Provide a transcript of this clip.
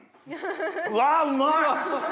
わうまい！